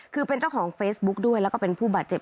คือเป็นเจ้าของเฟซบุ๊กด้วยแล้วก็เป็นผู้บาดเจ็บ